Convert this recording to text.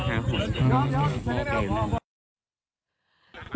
แกมาหาหอย